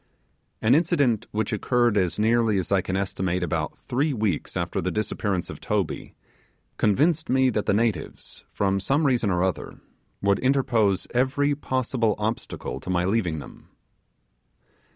An incident which occurred as nearly as I can estimate about three weeks after the disappearance of Toby, convinced me that the natives, from some reason or other, would interpose every possible obstacle to my leaving them.